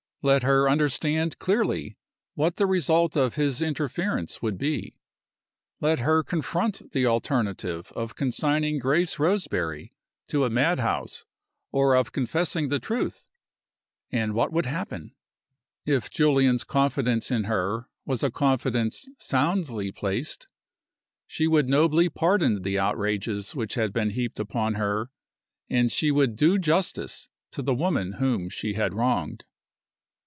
Let her understand clearly what the result of his interference would be. Let her confront the alternative of consigning Grace Roseberry to a mad house or of confessing the truth and what would happen? If Julian's confidence in her was a confidence soundly placed, she would nobly pardon the outrages that had been heaped upon her, and she would do justice to the woman whom she had wronged.